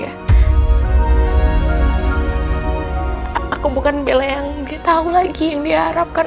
aku bukan bella yang dia tahu lagi yang diharapkan